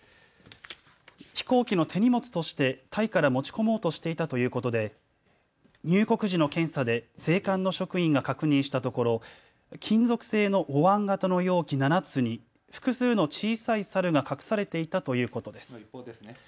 飛行機の手荷物としてタイから持ち込もうとしていたということで入国時の検査で税関の職員が確認したところ、金属製のおわん型の容器７つに複数の小さい猿が隠されていたということです。